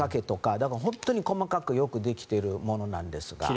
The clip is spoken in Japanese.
だから本当に細かくよくできてるものなんですが。